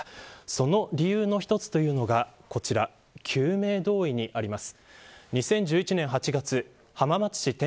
その理由の一つというのがこちら救命胴衣になります。